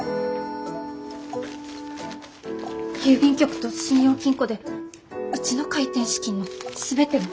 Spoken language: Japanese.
郵便局と信用金庫でうちの開店資金の全てを。